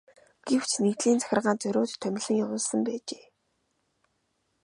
Гэвч нэгдлийн захиргаа зориуд томилон явуулсан байжээ.